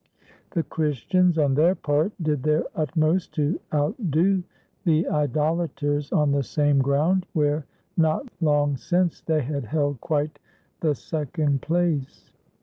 The Christians, on their part, did their utmost to outdo the idolaters on the same ground where, not long since, they had held quite the second place.